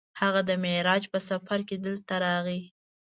هغه د معراج په سفر کې دلته راغی.